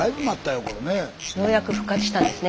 ようやく復活したんですね